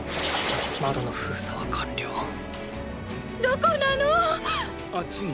窓の封鎖は完了どこなの⁉あっちに行ってみよう。